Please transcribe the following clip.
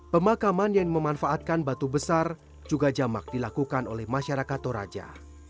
pemakaman yang memanfaatkan batu besar juga jamak dilakukan oleh masyarakat toraja